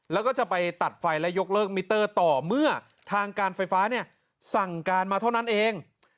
แล้วก็จะไปตัดไฟและยกเลิกมิเตอร์ต่อเมื่อทางการไฟฟ้าเนี่ยสั่งการมาเท่านั้นเอง